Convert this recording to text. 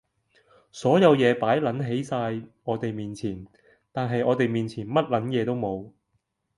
所有野擺撚晒喺我哋面前，但係我哋面前乜撚嘢都冇！